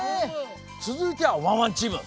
つづいてはワンワンチーム。